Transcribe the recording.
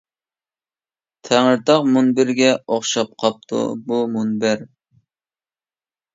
تەڭرىتاغ مۇنبىرىگە ئوخشاپ قاپتۇ، بۇ مۇنبەر.